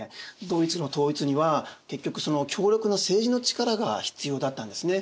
ドイツの統一には結局強力な政治の力が必要だったんですね。